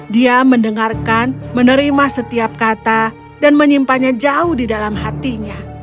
dia mendengarkan menerima setiap kata dan menyimpannya jauh di dalam hatinya